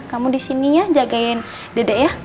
kamu di sini ya jagain dede ya